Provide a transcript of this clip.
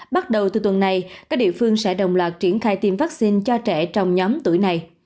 bắt đầu từ tuần này các địa phương sẽ đồng loạt triển khai tiêm vaccine cho trẻ trong nhóm tuổi này